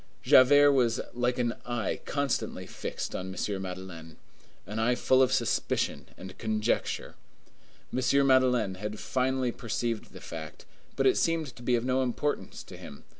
Javert was like an eye constantly fixed on M. Madeleine. An eye full of suspicion and conjecture. M. Madeleine had finally perceived the fact; but it seemed to be of no importance to him.